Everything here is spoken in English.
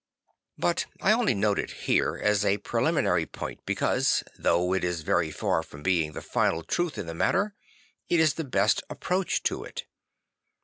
But I only note it here as a preliminary point because, though it is very far from being the final truth in the matter, it is the best approach to it.